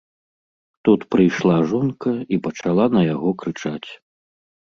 Тут прыйшла жонка і пачала на яго крычаць.